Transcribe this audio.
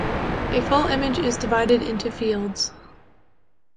A full image is divided into fields.